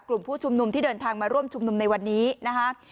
กลุ่มผู้ชุมนุมที่เดินทางมาร่วมชุมนุมในวันนี้นะคะ